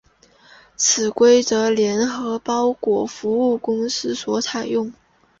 此规则为联合包裹服务公司所采用。